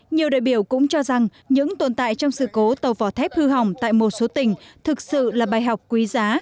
nhiều đại biểu cũng cho rằng những tồn tại trong sự cố tàu vỏ thép hư hỏng tại một số tỉnh thực sự là bài học quý giá